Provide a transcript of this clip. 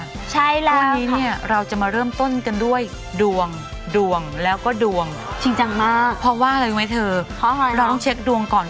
ตอนนี้เราจะมาเริ่มต้นกันด้วยดวงดวงแล้วก็ดวงเพราะว่าเราต้องเช็คดวงก่อน